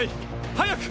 早く！